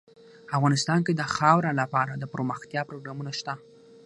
افغانستان کې د خاوره لپاره دپرمختیا پروګرامونه شته.